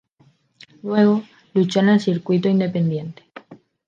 Luego luchó en el Circuito independiente.